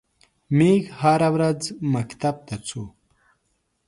میږ هره ورځ مکتب ته څو.